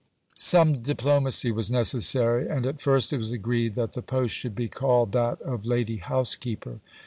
Some diplomacy was necessary, and at first it was agreed that the post should be called that of "lady housekeeper."